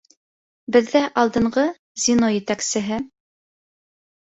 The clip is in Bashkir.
Беҙҙә алдынғы звено етәксеһе...